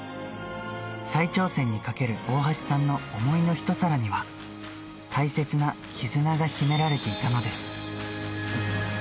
再挑戦にかける大橋さんの想いの一皿には、大切な絆が秘められていたのです。